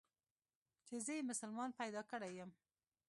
چې زه يې مسلمان پيدا کړى يم.